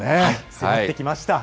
迫ってきました。